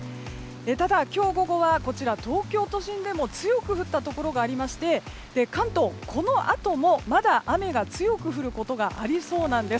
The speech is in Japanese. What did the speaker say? ただ、今日午後はこちら東京都心でも強く降ったところがありまして関東、このあともまだ雨が強く降ることがありそうなんです。